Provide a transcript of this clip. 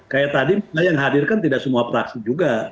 kayak tadi yang hadir kan tidak semua praksi juga